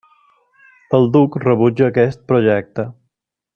El duc rebutja aquest projecte.